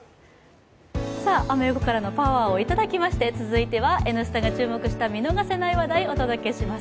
アメ横からのパワーをいただきまして続いては「Ｎスタ」が注目した見逃せない話題、お届けします。